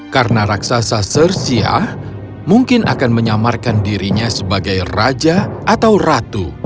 karena raksasa sersia mungkin akan menyamarkan dirinya sebagai raja atau ratu